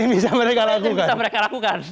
bisa mereka lakukan bisa mereka lakukan